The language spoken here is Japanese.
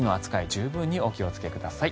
十分にお気をつけください。